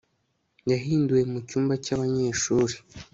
yahinduwe mu cyumba cya banyeshuri